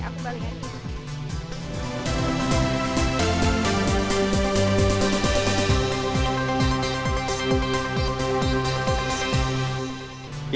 aku balik aja